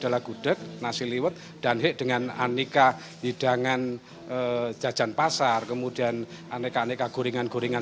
nanti liwet dan hei dengan aneka hidangan jajan pasar kemudian aneka aneka gorengan gorengan